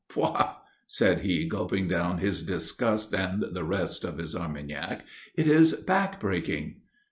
Pouah!" said he, gulping down his disgust and the rest of his Armagnac, "it is back breaking."